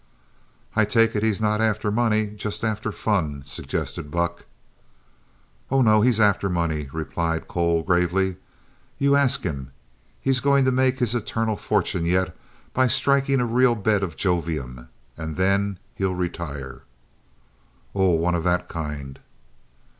"I take it he's not after money just after fun," suggested Buck. "Oh, no. He's after money," replied Cole gravely. "You ask him he's going to make his eternal fortune yet by striking a real bed of jovium, and then he'll retire." "Oh, one of that kind."